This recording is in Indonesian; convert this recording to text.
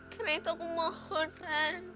karena itu aku mohon ran